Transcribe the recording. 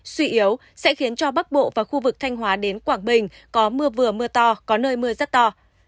suy yếu sẽ khiến cho bắc bộ và khu vực thanh hóa đến quảng bình có mưa vừa mưa to có nơi mưa rất to